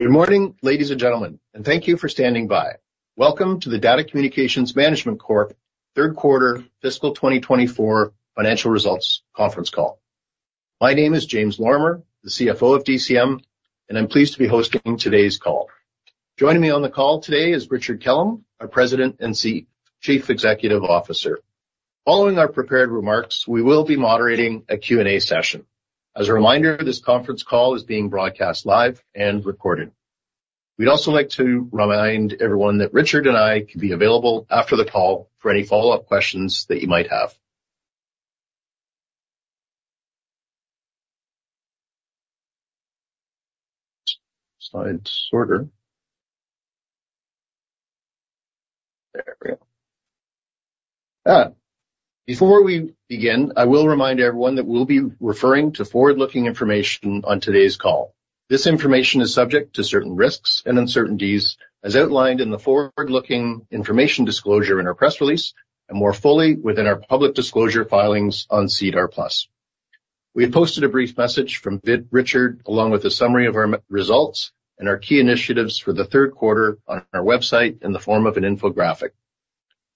Good morning, ladies and gentlemen, and thank you for standing by. Welcome to the Data Communications Management Corp. third quarter fiscal 2024, financial results conference call. My name is James Lorimer, the CFO of DCM, and I'm pleased to be hosting today's call. Joining me on the call today is Richard Kellam, our President and Chief Executive Officer. Following our prepared remarks, we will be moderating a Q&A session. As a reminder, this conference call is being broadcast live and recorded. We'd also like to remind everyone that Richard and I can be available after the call for any follow-up questions that you might have. Slide sorter. There we go. Before we begin, I will remind everyone that we'll be referring to forward-looking information on today's call. This information is subject to certain risks and uncertainties, as outlined in the forward-looking information disclosure in our press release and more fully within our public disclosure filings on SEDAR+. We have posted a brief message from Richard, along with a summary of our results and our key initiatives for the third quarter on our website in the form of an infographic.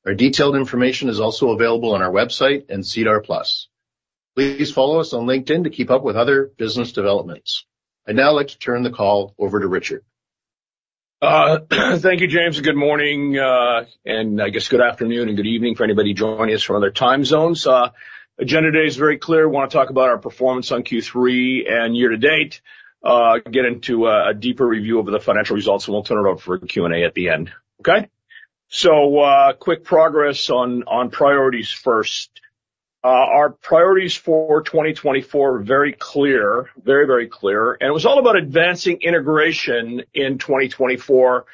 Our detailed information is also available on our website and SEDAR+. Please follow us on LinkedIn to keep up with other business developments. I'd now like to turn the call over to Richard. Thank you, James. Good morning, and I guess good afternoon and good evening for anybody joining us from other time zones. Agenda today is very clear. We want to talk about our performance on Q3 and year-to-date, get into a deeper review of the financial results, and we'll turn it over for Q&A at the end. Okay? So quick progress on priorities first. Our priorities for 2024 are very clear, very, very clear. And it was all about advancing integration in 2024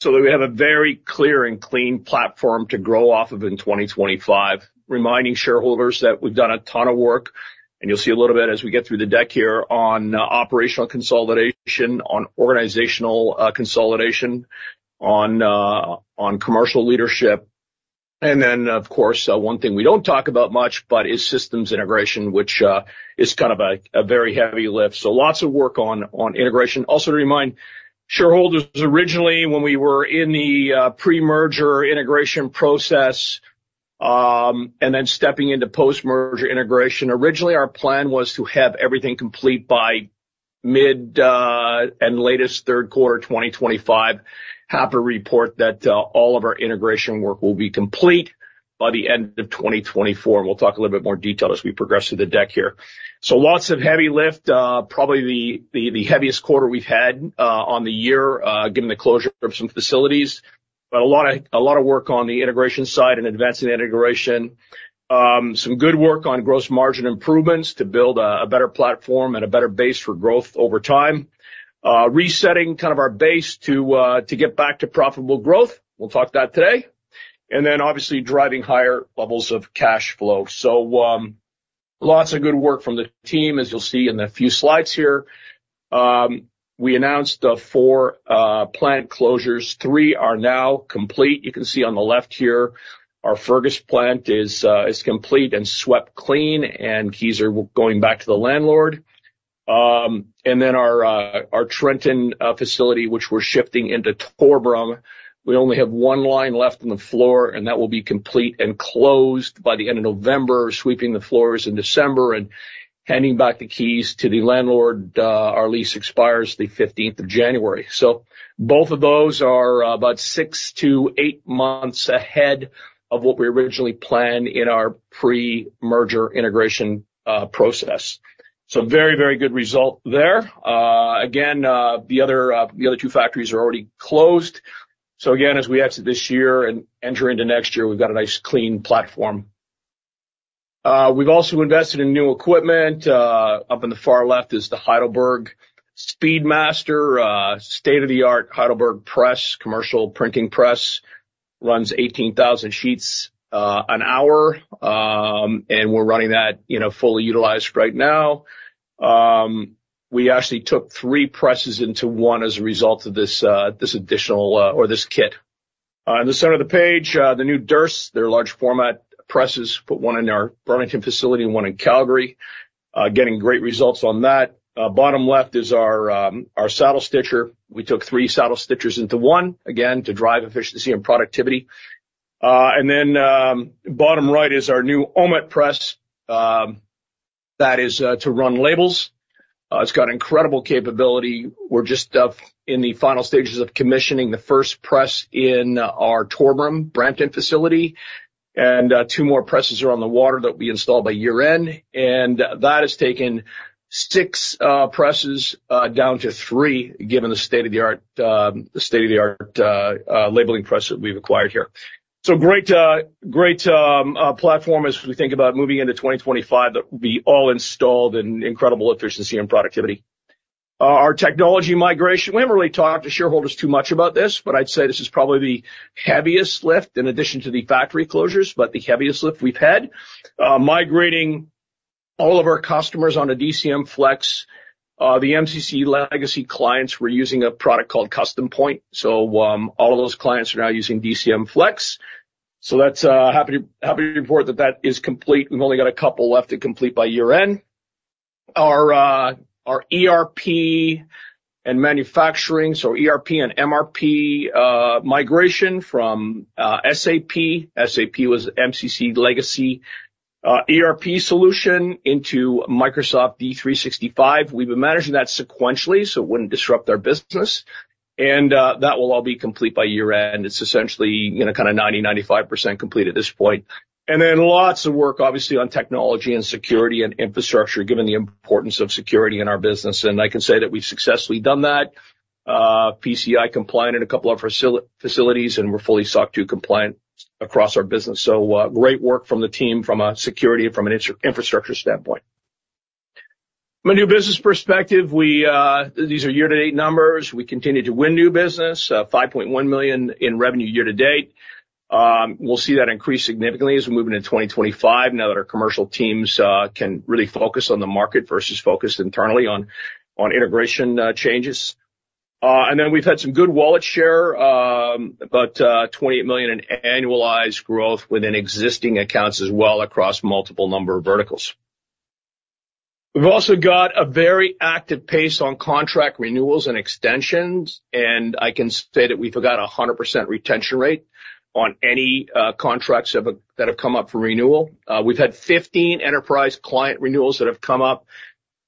so that we have a very clear and clean platform to grow off of in 2025, reminding shareholders that we've done a ton of work. And you'll see a little bit as we get through the deck here on operational consolidation, on organizational consolidation, on commercial leadership. And then, of course, one thing we don't talk about much, but it's systems integration, which is kind of a very heavy lift. So lots of work on integration. Also to remind shareholders, originally when we were in the pre-merger integration process and then stepping into post-merger integration, originally our plan was to have everything complete by mid and latest third quarter 2025. Have a report that all of our integration work will be complete by the end of 2024. We'll talk a little bit more detail as we progress through the deck here. So lots of heavy lift, probably the heaviest quarter we've had on the year given the closure of some facilities, but a lot of work on the integration side and advancing integration. Some good work on gross margin improvements to build a better platform and a better base for growth over time. Resetting kind of our base to get back to profitable growth. We'll talk about that today. And then obviously driving higher levels of cash flow. So lots of good work from the team, as you'll see in a few slides here. We announced four plant closures. Three are now complete. You can see on the left here, our Fergus plant is complete and swept clean, and keys are going back to the landlord. And then our Trenton facility, which we're shifting into Torbram, we only have one line left on the floor, and that will be complete and closed by the end of November, sweeping the floors in December and handing back the keys to the landlord. Our lease expires the 15th of January. So both of those are about six to eight months ahead of what we originally planned in our pre-merger integration process. So very, very good result there. Again, the other two factories are already closed. So again, as we exit this year and enter into next year, we've got a nice clean platform. We've also invested in new equipment. Up on the far left is the Heidelberg Speedmaster, state-of-the-art Heidelberger press, commercial printing press, runs 18,000 sheets an hour, and we're running that fully utilized right now. We actually took three presses into one as a result of this additional or this kit. In the center of the page, the new Durst, their large format presses, put one in our Burlington facility and one in Calgary, getting great results on that. Bottom left is our saddle stitcher. We took three saddle stitchers into one, again, to drive efficiency and productivity. And then bottom right is our new Omet press that is to run labels. It's got incredible capability. We're just in the final stages of commissioning the first press in our Torbram, Brampton facility. And two more presses are on the water that we installed by year-end. And that has taken six presses down to three, given the state-of-the-art labeling press that we've acquired here. So great platform as we think about moving into 2025 that will be all installed and incredible efficiency and productivity. Our technology migration, we haven't really talked to shareholders too much about this, but I'd say this is probably the heaviest lift in addition to the factory closures, but the heaviest lift we've had. Migrating all of our customers onto DCMFlex. The MCC legacy clients, we're using a product called CustomPoint. So all of those clients are now using DCMFlex. So that's happy to report that that is complete. We've only got a couple left to complete by year-end. Our ERP and manufacturing, so ERP and MRP migration from SAP, SAP was MCC legacy ERP solution into Microsoft D365. We've been managing that sequentially so it wouldn't disrupt our business, and that will all be complete by year end. It's essentially kind of 90%-95% complete at this point, and then lots of work, obviously, on technology and security and infrastructure, given the importance of security in our business, and I can say that we've successfully done that: PCI compliant in a couple of facilities, and we're fully SOC 2 compliant across our business. So great work from the team, from a security and from an infrastructure standpoint. From a new business perspective, these are year-to-date numbers. We continue to win new business, $5.1 million in revenue year-to-date. We'll see that increase significantly as we move into 2025, now that our commercial teams can really focus on the market versus focus internally on integration changes. And then we've had some good wallet share, about $28 million in annualized growth within existing accounts as well across multiple number of verticals. We've also got a very active pace on contract renewals and extensions. And I can say that we've got a 100% retention rate on any contracts that have come up for renewal. We've had 15 enterprise client renewals that have come up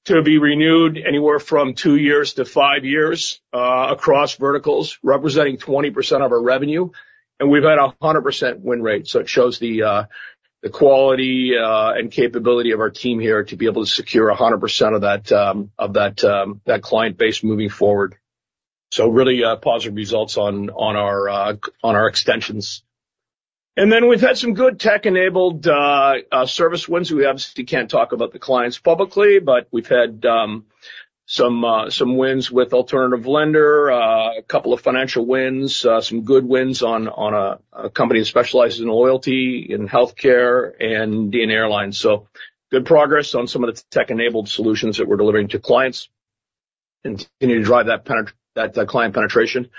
to be renewed anywhere from two years to five years across verticals, representing 20% of our revenue. And we've had a 100% win rate. So it shows the quality and capability of our team here to be able to secure 100% of that client base moving forward. So really positive results on our extensions. We've had some good tech-enabled service wins. We obviously can't talk about the clients publicly, but we've had some wins with alternative lender, a couple of financial wins, some good wins on a company that specializes in loyalty in healthcare and in airlines. Good progress on some of the tech-enabled solutions that we're delivering to clients and continue to drive that client penetration.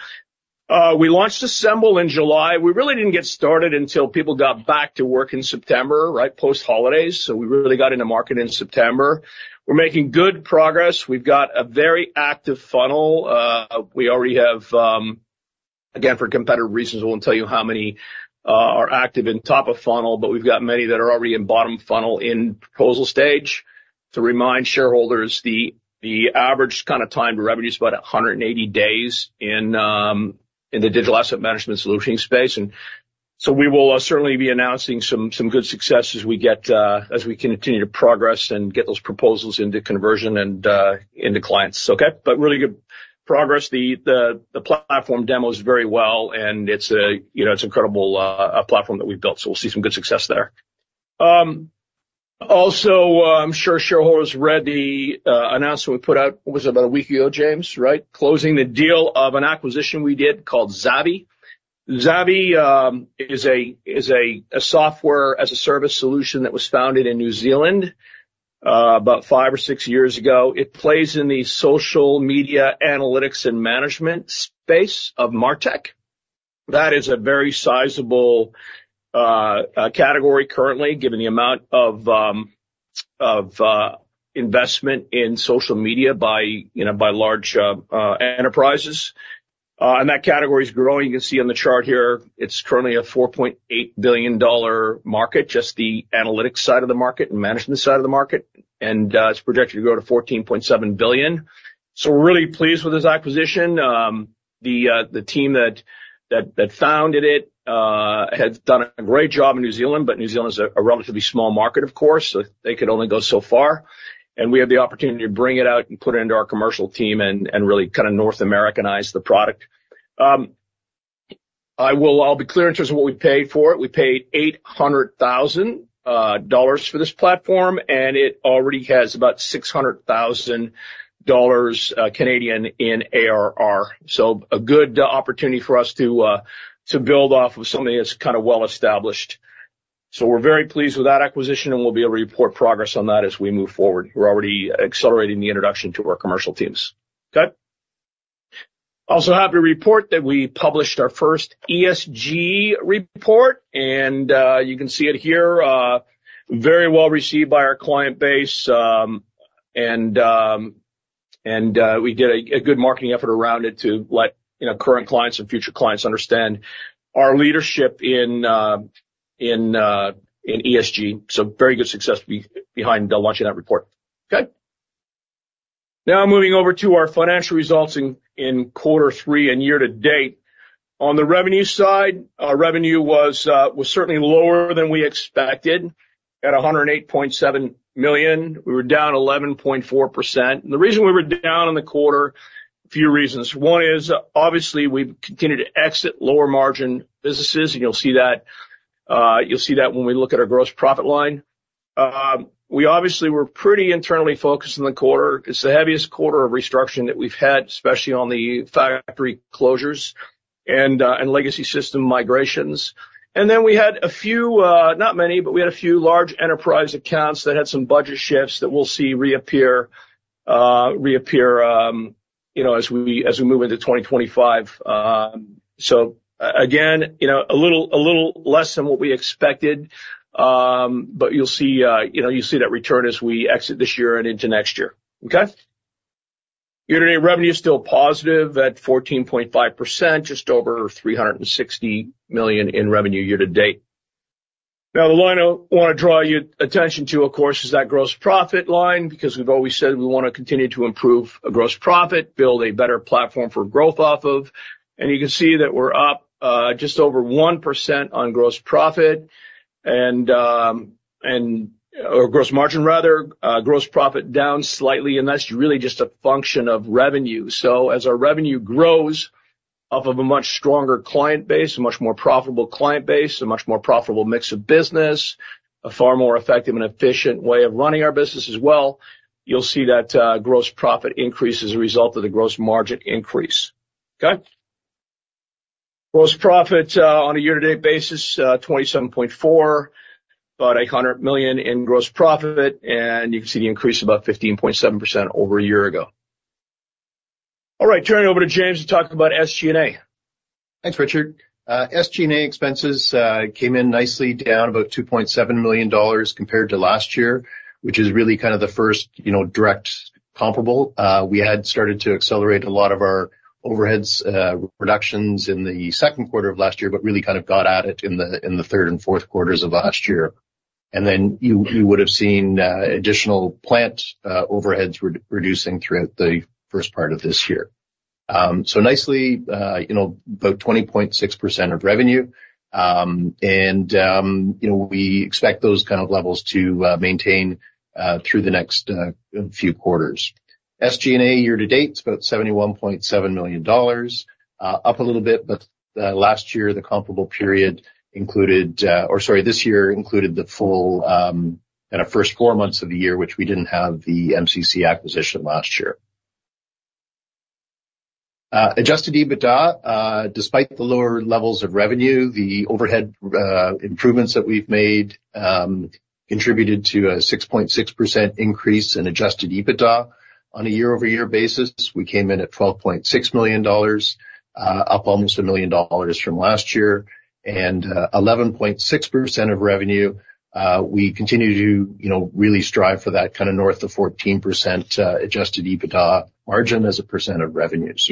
We launched ASMBL in July. We really didn't get started until people got back to work in September, right, post-holidays. We really got into market in September. We're making good progress. We've got a very active funnel. We already have, again, for competitive reasons, we'll tell you how many are active in top of funnel, but we've got many that are already in bottom funnel in proposal stage. To remind shareholders, the average kind of time to revenue is about 180 days in the digital asset management solution space, and so we will certainly be announcing some good success as we continue to progress and get those proposals into conversion and into clients. Okay, but really good progress. The platform demos very well, and it's an incredible platform that we built, so we'll see some good success there. Also, I'm sure shareholders read the announcement we put out, was it about a week ago, James, right? Closing the deal of an acquisition we did called Zavy. Zavy is a software as a service solution that was founded in New Zealand about five or six years ago. It plays in the social media analytics and management space of martech. That is a very sizable category currently, given the amount of investment in social media by large enterprises. And that category is growing. You can see on the chart here, it's currently a $4.8 billion market, just the analytics side of the market and management side of the market. And it's projected to grow to $14.7 billion. So we're really pleased with this acquisition. The team that founded it has done a great job in New Zealand, but New Zealand is a relatively small market, of course. They could only go so far. And we have the opportunity to bring it out and put it into our commercial team and really kind of North Americanize the product. I'll be clear in terms of what we paid for it. We paid $800,000 for this platform, and it already has about 600,000 dollars in ARR. So a good opportunity for us to build off of something that's kind of well established. We're very pleased with that acquisition, and we'll be able to report progress on that as we move forward. We're already accelerating the introduction to our commercial teams. Okay? Also happy to report that we published our first ESG report, and you can see it here. Very well received by our client base. And we did a good marketing effort around it to let current clients and future clients understand our leadership in ESG. So very good success behind launching that report. Okay? Now moving over to our financial results in quarter three and year-to-date. On the revenue side, our revenue was certainly lower than we expected at $108.7 million. We were down 11.4%. And the reason we were down in the quarter, a few reasons. One is obviously we've continued to exit lower margin businesses, and you'll see that when we look at our gross profit line. We obviously were pretty internally focused in the quarter. It's the heaviest quarter of restructuring that we've had, especially on the factory closures and legacy system migrations. And then we had a few, not many, but we had a few large enterprise accounts that had some budget shifts that we'll see reappear as we move into 2025. So again, a little less than what we expected, but you'll see that return as we exit this year and into next year. Okay? Year-to-date revenue is still positive at 14.5%, just over $360 million in revenue year-to-date. Now, the line I want to draw your attention to, of course, is that gross profit line because we've always said we want to continue to improve gross profit, build a better platform for growth off of. And you can see that we're up just over 1% on gross profit or gross margin, rather. Gross profit down slightly, and that's really just a function of revenue, so as our revenue grows off of a much stronger client base, a much more profitable client base, a much more profitable mix of business, a far more effective and efficient way of running our business as well, you'll see that gross profit increase as a result of the gross margin increase. Okay? Gross profit on a year-to-date basis, 27.4%, about $100 million in gross profit. And you can see the increase of about 15.7% over a year ago. All right. Turning over to James to talk about SG&A. Thanks, Richard. SG&A expenses came in nicely, down about $2.7 million compared to last year, which is really kind of the first direct comparable. We had started to accelerate a lot of our overhead reductions in the second quarter of last year, but really kind of got at it in the third and fourth quarters of last year. And then you would have seen additional plant overheads reducing throughout the first part of this year. So nicely, about 20.6% of revenue. And we expect those kind of levels to maintain through the next few quarters. SG&A year-to-date, it's about $71.7 million. Up a little bit, but last year, the comparable period included or sorry, this year included the full kind of first four months of the year, which we didn't have the MCC acquisition last year. Adjusted EBITDA, despite the lower levels of revenue, the overhead improvements that we've made contributed to a 6.6% increase in adjusted EBITDA on a year-over-year basis. We came in at $12.6 million, up almost a million dollars from last year, and 11.6% of revenue. We continue to really strive for that kind of north of 14% adjusted EBITDA margin as a percent of revenues.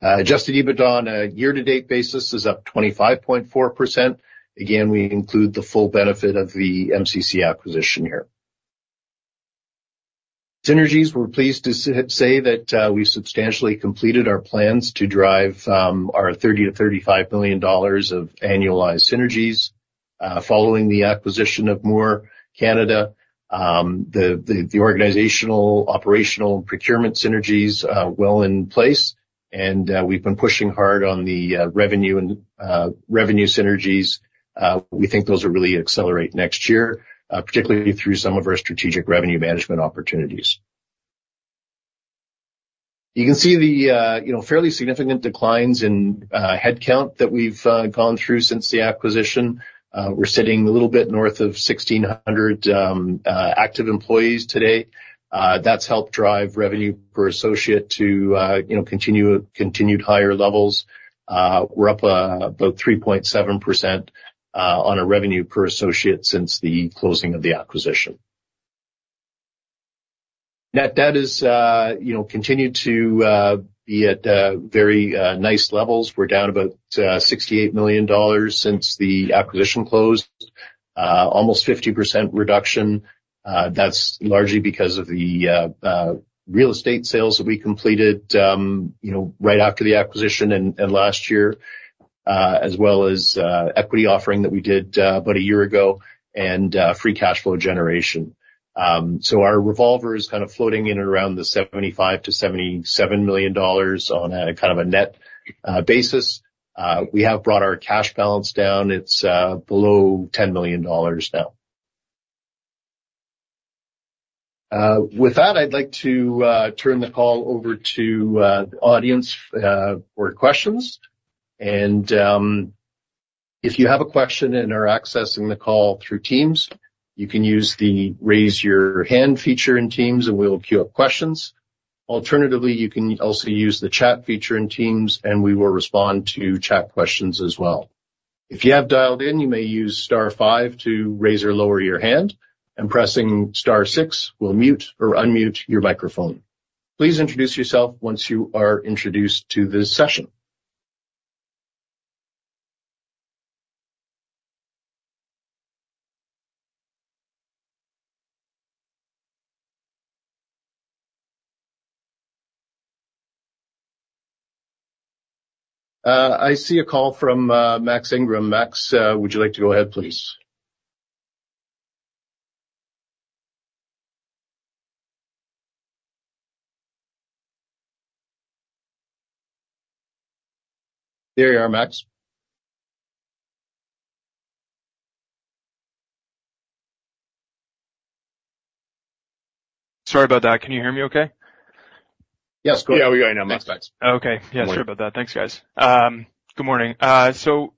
Adjusted EBITDA on a year-to-date basis is up 25.4%. Again, we include the full benefit of the MCC acquisition here. Synergies, we're pleased to say that we've substantially completed our plans to drive our $30 million-$35 million of annualized synergies following the acquisition of Moore Canada. The organizational, operational, and procurement synergies are well in place. And we've been pushing hard on the revenue synergies. We think those will really accelerate next year, particularly through some of our strategic revenue management opportunities. You can see the fairly significant declines in headcount that we've gone through since the acquisition. We're sitting a little bit north of 1,600 active employees today. That's helped drive revenue per associate to continued higher levels. We're up about 3.7% on our revenue per associate since the closing of the acquisition. Net debt has continued to be at very nice levels. We're down about $68 million since the acquisition closed, almost 50% reduction. That's largely because of the real estate sales that we completed right after the acquisition and last year, as well as equity offering that we did about a year ago and free cash flow generation. So our revolver is kind of floating in and around the $75 million-$77 million on a kind of a net basis. We have brought our cash balance down. It's below $10 million now. With that, I'd like to turn the call over to the audience for questions. And if you have a question and are accessing the call through Teams, you can use the raise-your-hand feature in Teams, and we'll queue up questions. Alternatively, you can also use the chat feature in Teams, and we will respond to chat questions as well. If you have dialed in, you may use star five to raise or lower your hand. And pressing star six will mute or unmute your microphone. Please introduce yourself once you are introduced to this session. I see a call from Max Ingram. Max, would you like to go ahead, please? There you are, Max. Sorry about that. Can you hear me okay? Yes, go ahead. Yeah, we got you now, Max. Max. Okay. Yeah, sorry about that. Thanks, guys. Good morning. So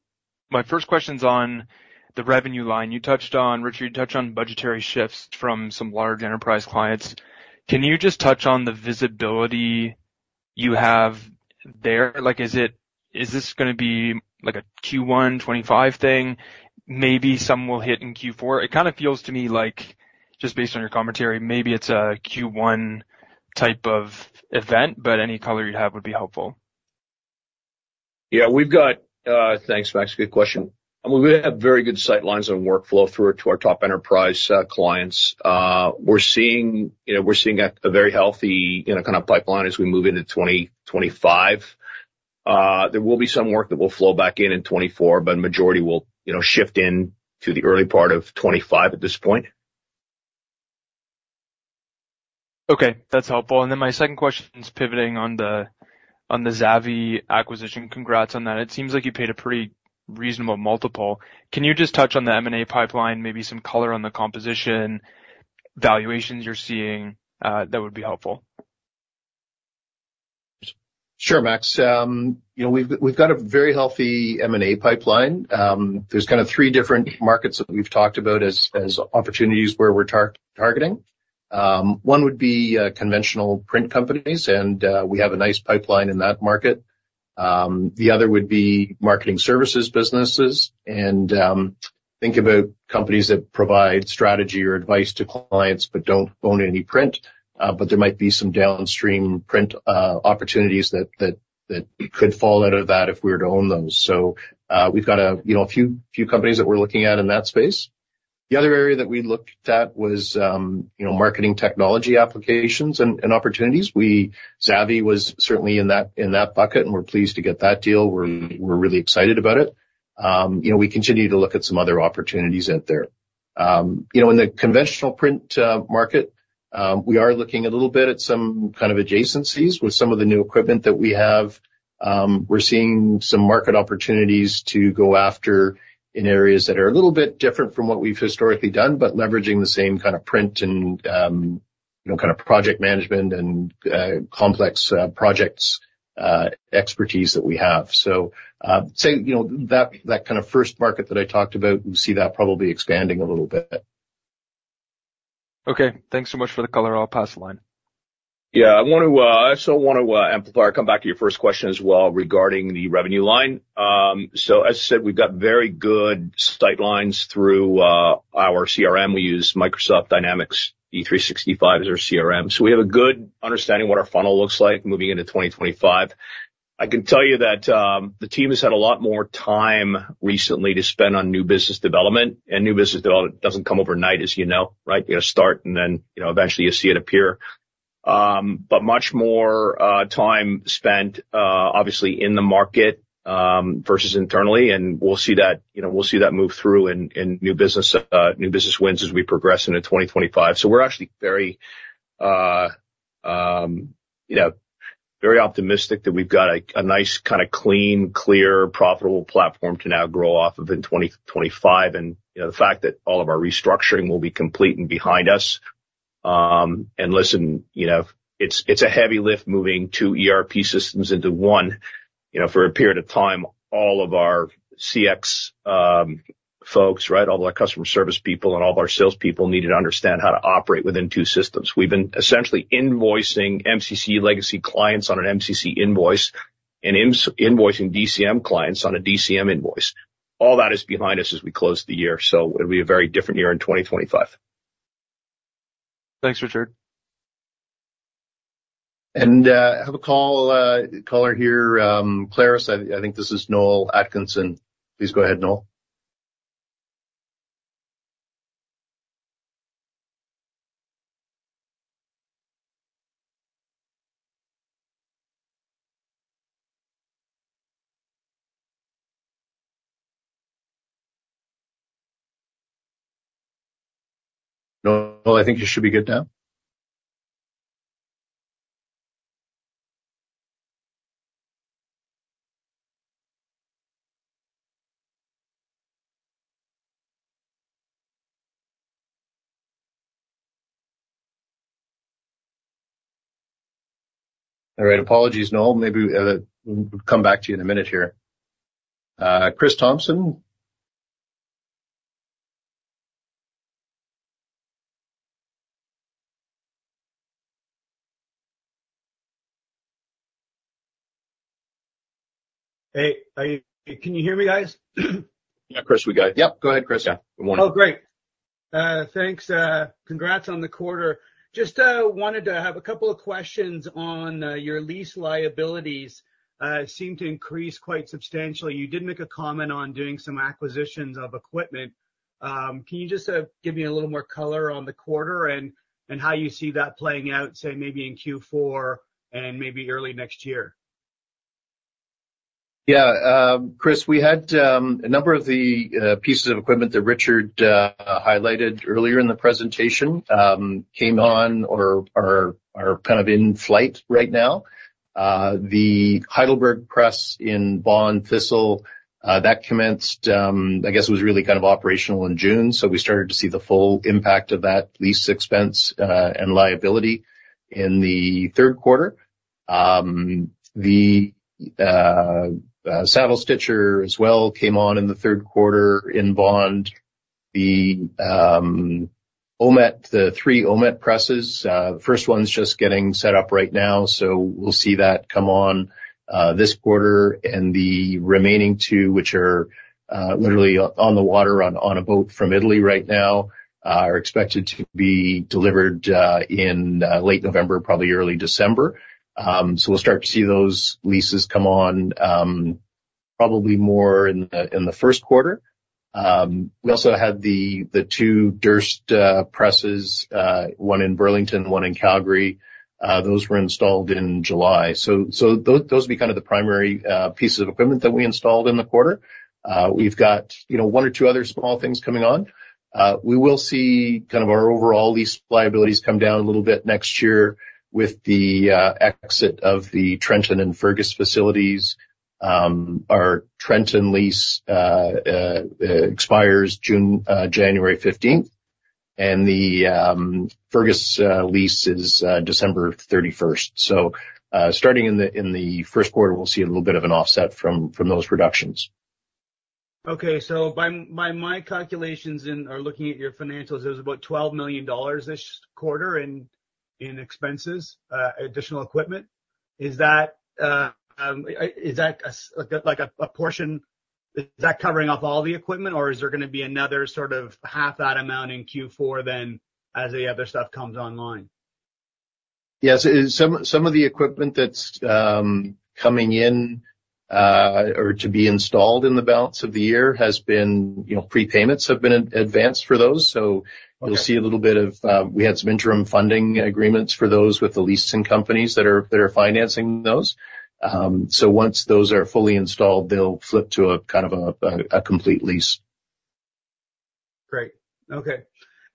my first question's on the revenue line. You touched on, Richard, you touched on budgetary shifts from some large enterprise clients. Can you just touch on the visibility you have there? Is this going to be a Q1 2025 thing? Maybe some will hit in Q4. It kind of feels to me like, just based on your commentary, maybe it's a Q1 type of event, but any color you have would be helpful. Yeah, thanks, Max. Good question. We have very good sight lines on workflow through it to our top enterprise clients. We're seeing a very healthy kind of pipeline as we move into 2025. There will be some work that will flow back in in 2024, but the majority will shift into the early part of 2025 at this point. Okay. That's helpful, and then my second question is pivoting on the Zavy acquisition. Congrats on that. It seems like you paid a pretty reasonable multiple. Can you just touch on the M&A pipeline, maybe some color on the composition, valuations you're seeing that would be helpful? Sure, Max. We've got a very healthy M&A pipeline. There's kind of three different markets that we've talked about as opportunities where we're targeting. One would be conventional print companies, and we have a nice pipeline in that market. The other would be marketing services businesses. And think about companies that provide strategy or advice to clients but don't own any print, but there might be some downstream print opportunities that could fall out of that if we were to own those. So we've got a few companies that we're looking at in that space. The other area that we looked at was marketing technology applications and opportunities. Zavy was certainly in that bucket, and we're pleased to get that deal. We're really excited about it. We continue to look at some other opportunities out there. In the conventional print market, we are looking a little bit at some kind of adjacencies with some of the new equipment that we have. We're seeing some market opportunities to go after in areas that are a little bit different from what we've historically done, but leveraging the same kind of print and kind of project management and complex projects expertise that we have. So that kind of first market that I talked about, we see that probably expanding a little bit. Okay. Thanks so much for the color. I'll pass the line. Yeah. I also want to amplify or come back to your first question as well regarding the revenue line. So as I said, we've got very good sight lines through our CRM. We use Microsoft Dynamics 365 as our CRM. So we have a good understanding of what our funnel looks like moving into 2025. I can tell you that the team has had a lot more time recently to spend on new business development. And new business development doesn't come overnight, as you know, right? You got to start, and then eventually you see it appear. But much more time spent, obviously, in the market versus internally. And we'll see that move through in new business wins as we progress into 2025. So we're actually very optimistic that we've got a nice kind of clean, clear, profitable platform to now grow off of in 2025. And the fact that all of our restructuring will be complete and behind us. And listen, it's a heavy lift moving two ERP systems into one. For a period of time, all of our CX folks, right, all of our customer service people and all of our salespeople needed to understand how to operate within two systems. We've been essentially invoicing MCC legacy clients on an MCC invoice and invoicing DCM clients on a DCM invoice. All that is behind us as we close the year. So it'll be a very different year in 2025. Thanks, Richard. And I have a call here, Clarus. I think this is Noel Atkinson. Please go ahead, Noel. Noel, I think you should be good now. All right. Apologies, Noel. Maybe we'll come back to you in a minute here. Chris Thompson. Hey, can you hear me, guys? Yeah, Chris, we got you. Yep. Go ahead, Chris. Yeah. Good morning. Oh, great. Thanks. Congrats on the quarter. Just wanted to have a couple of questions on your lease liabilities. It seemed to increase quite substantially. You did make a comment on doing some acquisitions of equipment. Can you just give me a little more color on the quarter and how you see that playing out, say, maybe in Q4 and maybe early next year? Yeah. Chris, we had a number of the pieces of equipment that Richard highlighted earlier in the presentation came on or are kind of in flight right now. The Heidelberg press in [Bond-Thistle] that commenced, I guess, was really kind of operational in June. So we started to see the full impact of that lease expense and liability in the third quarter. The saddle stitcher as well came on in the third quarter in [Bond]. The three Omet presses, the first one's just getting set up right now. We'll see that come on this quarter. The remaining two, which are literally on the water on a boat from Italy right now, are expected to be delivered in late November, probably early December. We'll start to see those leases come on probably more in the first quarter. We also had the two Durst presses, one in Burlington, one in Calgary. Those were installed in July. Those would be kind of the primary pieces of equipment that we installed in the quarter. We've got one or two other small things coming on. We will see kind of our overall lease liabilities come down a little bit next year with the exit of the Trenton and Fergus facilities. Our Trenton lease expires January 15th, and the Fergus lease is December 31st. So starting in the first quarter, we'll see a little bit of an offset from those reductions. Okay. So by my calculations and looking at your financials, there's about $12 million this quarter in expenses, additional equipment. Is that a portion? Is that covering off all the equipment, or is there going to be another sort of half that amount in Q4 then as the other stuff comes online? Yes. Some of the equipment that's coming in or to be installed in the balance of the year has been prepayments have been advanced for those. So you'll see a little bit of we had some interim funding agreements for those with the leasing companies that are financing those. So once those are fully installed, they'll flip to kind of a complete lease. Great. Okay.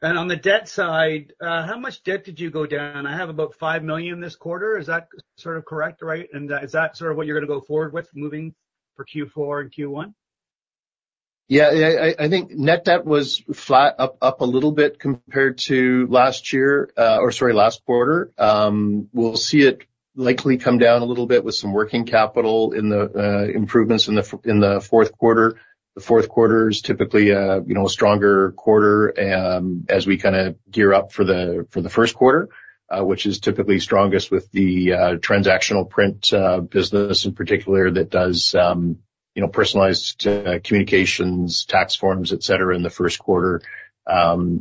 And on the debt side, how much debt did you go down? I have about $5 million this quarter. Is that sort of correct, right? And is that sort of what you're going to go forward with moving for Q4 and Q1? Yeah. I think net debt was flat up a little bit compared to last year or, sorry, last quarter. We'll see it likely come down a little bit with some working capital improvements in the fourth quarter. The fourth quarter is typically a stronger quarter as we kind of gear up for the first quarter, which is typically strongest with the transactional print business in particular that does personalized communications, tax forms, etc., in the first quarter.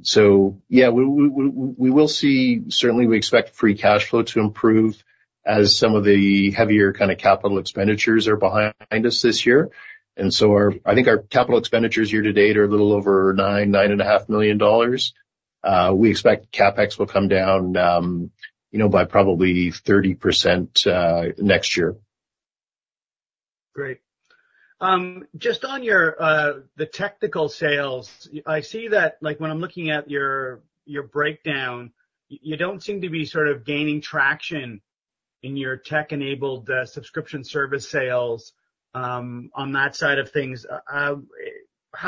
So yeah, we will see certainly we expect free cash flow to improve as some of the heavier kind of capital expenditures are behind us this year. And so I think our capital expenditures year-to-date are a little over $9.5 million. We expect CapEx will come down by probably 30% next year. Great. Just on the technical sales, I see that when I'm looking at your breakdown, you don't seem to be sort of gaining traction in your tech-enabled subscription service sales on that side of things. How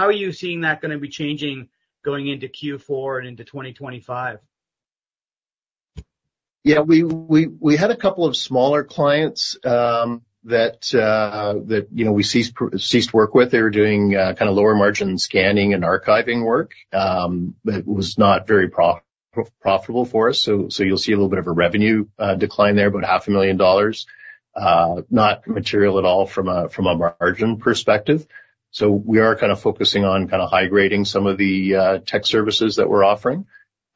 are you seeing that going to be changing going into Q4 and into 2025? Yeah. We had a couple of smaller clients that we ceased work with. They were doing kind of lower margin scanning and archiving work that was not very profitable for us. So you'll see a little bit of a revenue decline there, about $500,000, not material at all from a margin perspective. We are kind of focusing on kind of high-grading some of the tech services that we're offering,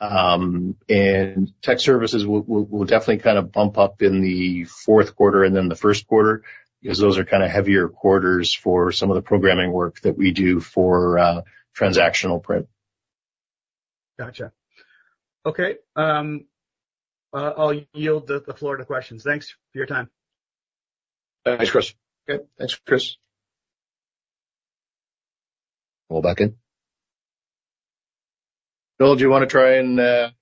and tech services will definitely kind of bump up in the fourth quarter and then the first quarter because those are kind of heavier quarters for some of the programming work that we do for transactional print. Gotcha. Okay. I'll yield the floor to questions. Thanks for your time. Thanks, Chris. Okay. Thanks, Chris. Roll back in. Noel, do you want to try and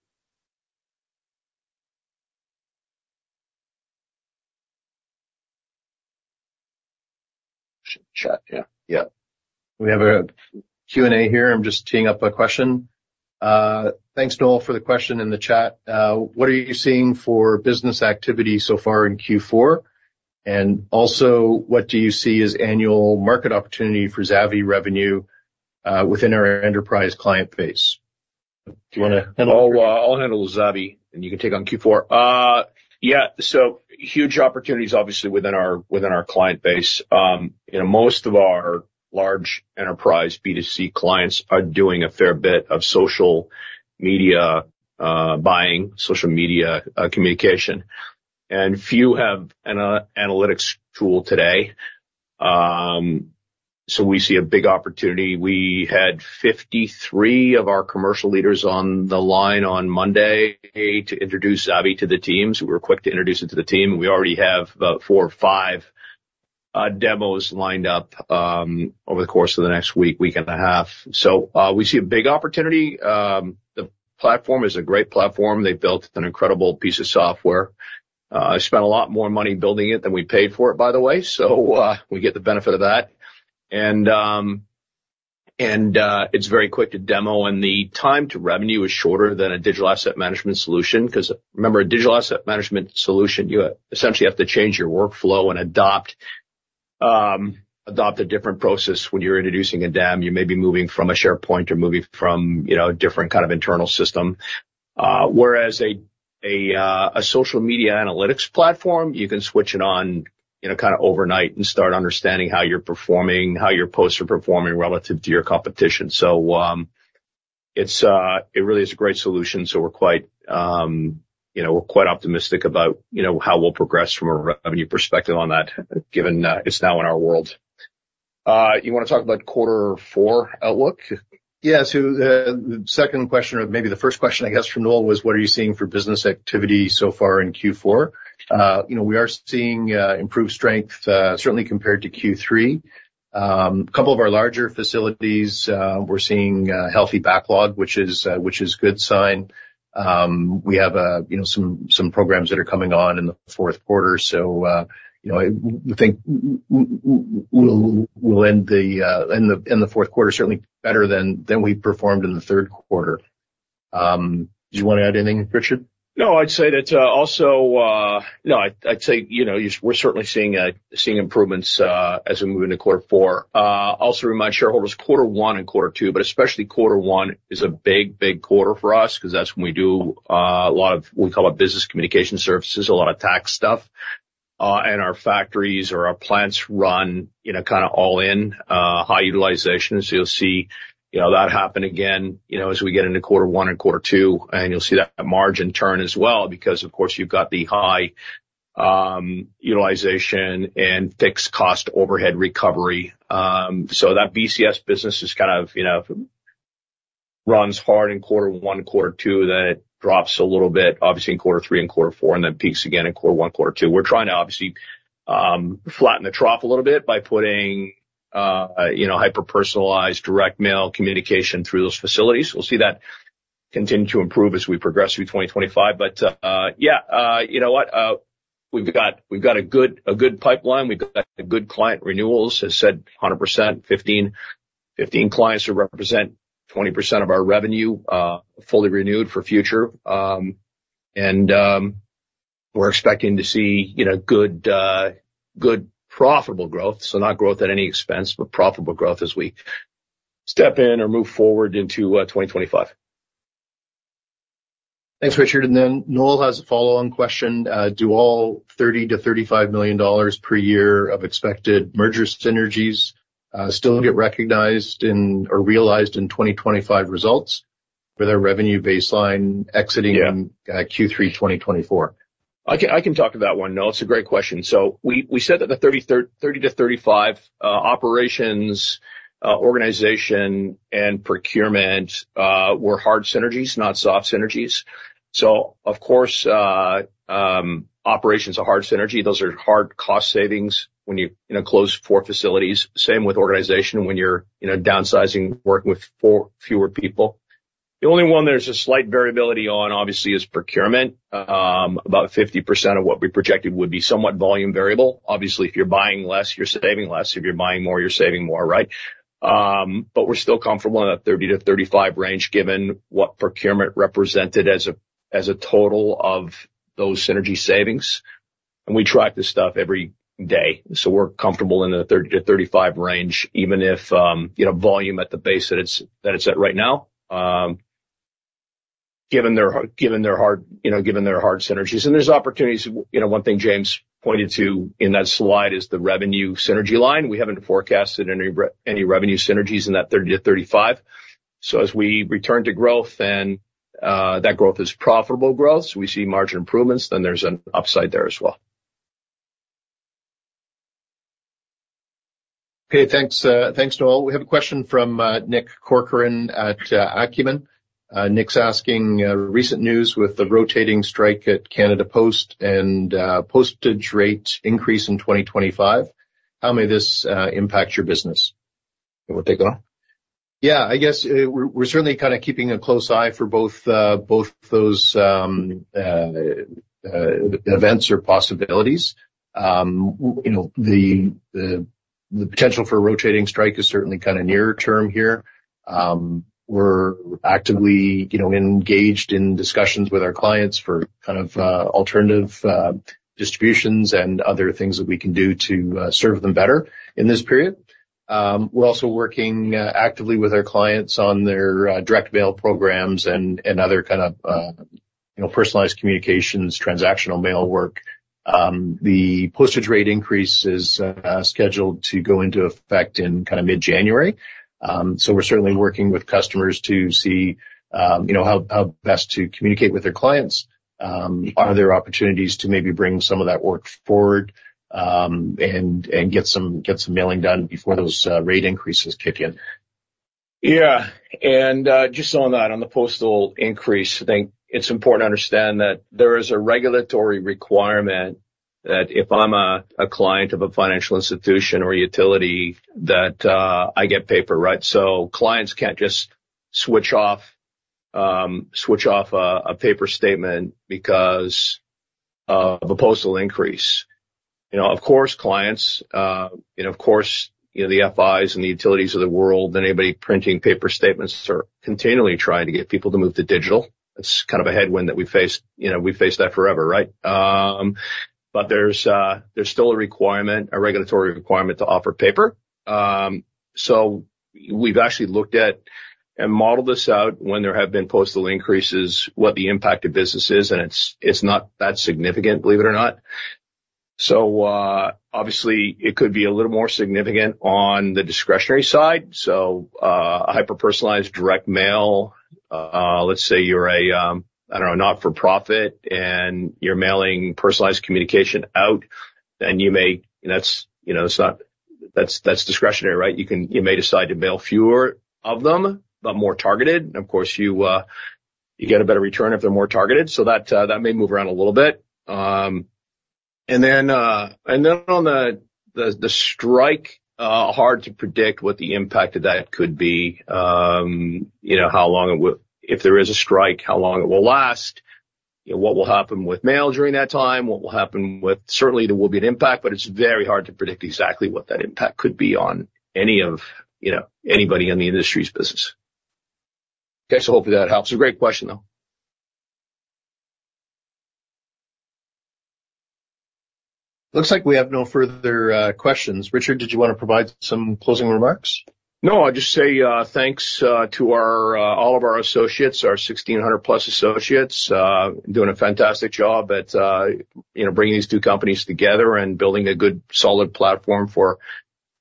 chat? Yeah. Yeah. We have a Q&A here. I'm just teeing up a question. Thanks, Noel, for the question in the chat. What are you seeing for business activity so far in Q4? And also, what do you see as annual market opportunity for Zavy revenue within our enterprise client base? Do you want to handle? I'll handle Zavy, and you can take on Q4. Yeah. Huge opportunities, obviously, within our client base. Most of our large enterprise B2C clients are doing a fair bit of social media buying, social media communication. Few have an analytics tool today. We see a big opportunity. We had 53 of our commercial leaders on the line on Monday to introduce Zavy to the team. We were quick to introduce it to the team. We already have about four or five demos lined up over the course of the next week and a half. We see a big opportunity. The platform is a great platform. They've built an incredible piece of software. I spent a lot more money building it than we paid for it, by the way. We get the benefit of that. It's very quick to demo. The time to revenue is shorter than a digital asset management solution because remember, a digital asset management solution, you essentially have to change your workflow and adopt a different process when you're introducing a DAM. You may be moving from a SharePoint or moving from a different kind of internal system. Whereas a social media analytics platform, you can switch it on kind of overnight and start understanding how you're performing, how your posts are performing relative to your competition. So it really is a great solution. So we're quite optimistic about how we'll progress from a revenue perspective on that, given it's now in our world. You want to talk about quarter four outlook? Yeah. So the second question, or maybe the first question, I guess, for Noel was, what are you seeing for business activity so far in Q4? We are seeing improved strength, certainly compared to Q3. A couple of our larger facilities, we're seeing healthy backlog, which is a good sign. We have some programs that are coming on in the fourth quarter, so I think we'll end the fourth quarter certainly better than we performed in the third quarter. Did you want to add anything, Richard? No, I'd say we're certainly seeing improvements as we move into quarter four. Also remind shareholders, quarter one and quarter two, but especially quarter one is a big, big quarter for us because that's when we do a lot of what we call Business Communication Services, a lot of tax stuff, and our factories or our plants run kind of all in high utilization, so you'll see that happen again as we get into quarter one and quarter two. And you'll see that margin turn as well because, of course, you've got the high utilization and fixed cost overhead recovery. So that BCS business is kind of runs hard in quarter one, quarter two, then it drops a little bit, obviously, in quarter three and quarter four, and then peaks again in quarter one, quarter two. We're trying to, obviously, flatten the trough a little bit by putting hyper-personalized direct mail communication through those facilities. We'll see that continue to improve as we progress through 2025. But yeah, you know what? We've got a good pipeline. We've got good client renewals, as I said, 100%. 15 clients to represent 20% of our revenue fully renewed for future. And we're expecting to see good, profitable growth. So not growth at any expense, but profitable growth as we step in or move forward into 2025. Thanks, Richard. And then Noel has a follow-on question. Do all $30 million-$35 million per year of expected merger synergies still get recognized or realized in 2025 results for their revenue baseline exiting Q3 2024? I can talk to that one, Noel. It's a great question. So we said that the 30 to 35 operations, organization, and procurement were hard synergies, not soft synergies. So, of course, operations are hard synergy. Those are hard cost savings when you close four facilities. Same with organization when you're downsizing, working with fewer people. The only one there's a slight variability on, obviously, is procurement. About 50% of what we projected would be somewhat volume variable. Obviously, if you're buying less, you're saving less. If you're buying more, you're saving more, right? But we're still comfortable in that 30-35 range given what procurement represented as a total of those synergy savings. And we track this stuff every day. So we're comfortable in the 30-35 range, even if volume at the base that it's at right now, given their hard synergies. And there's opportunities. One thing James pointed to in that slide is the revenue synergy line. We haven't forecasted any revenue synergies in that 30-35. So as we return to growth, and that growth is profitable growth, so we see margin improvements, then there's an upside there as well. Okay. Thanks, Noel. We have a question from Nick Corcoran at Acumen. Nick's asking recent news with the rotating strike at Canada Post and postage rate increase in 2025. How may this impact your business? You want to take it on? Yeah. I guess we're certainly kind of keeping a close eye for both those events or possibilities. The potential for a rotating strike is certainly kind of near term here. We're actively engaged in discussions with our clients for kind of alternative distributions and other things that we can do to serve them better in this period. We're also working actively with our clients on their direct mail programs and other kind of personalized communications, transactional mail work. The postage rate increase is scheduled to go into effect in kind of mid-January. So we're certainly working with customers to see how best to communicate with their clients, are there opportunities to maybe bring some of that work forward and get some mailing done before those rate increases kick in? Yeah. And just on that, on the postal increase, I think it's important to understand that there is a regulatory requirement that if I'm a client of a financial institution or utility, that I get paper, right? So clients can't just switch off a paper statement because of a postal increase. Of course, clients, and of course, the FIs and the utilities of the world, and anybody printing paper statements are continually trying to get people to move to digital. That's kind of a headwind that we faced. We faced that forever, right? But there's still a requirement, a regulatory requirement to offer paper. So we've actually looked at and modeled this out when there have been postal increases, what the impact of business is, and it's not that significant, believe it or not. So obviously, it could be a little more significant on the discretionary side. So hyper-personalized direct mail, let's say you're a, I don't know, not-for-profit, and you're mailing personalized communication out, then you may, that's discretionary, right? You may decide to mail fewer of them, but more targeted. And of course, you get a better return if they're more targeted. So that may move around a little bit. And then on the strike, hard to predict what the impact of that could be, how long it will - if there is a strike, how long it will last, what will happen with mail during that time, what will happen with - certainly, there will be an impact, but it's very hard to predict exactly what that impact could be on anybody in the industry's business. Okay. So hopefully, that helps. It's a great question, though. Looks like we have no further questions. Richard, did you want to provide some closing remarks? No, I'll just say thanks to all of our associates, our 1,600+ associates, doing a fantastic job at bringing these two companies together and building a good, solid platform for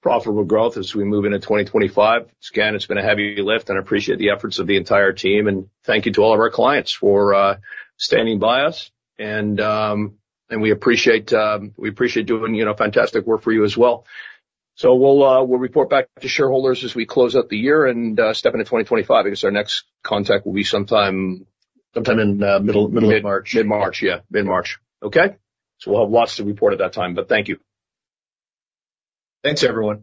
profitable growth as we move into 2025. Again, it's been a heavy lift. I appreciate the efforts of the entire team, and thank you to all of our clients for standing by us. And we appreciate doing fantastic work for you as well. So we'll report back to shareholders as we close out the year and step into 2025 because our next contact will be sometime in middle of March. Mid-March. Yeah. Mid-March. Okay. So we'll have lots to report at that time, but thank you. Thanks, everyone.